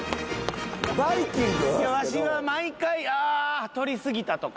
わしが毎回「ああ取りすぎた！」とか。